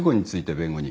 弁護人。